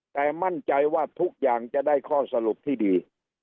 แต่มั่นใจว่าทุกอย่างจะได้ข้อสรุปที่ดี